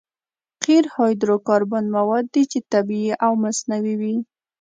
قیر هایدرو کاربن مواد دي چې طبیعي او مصنوعي وي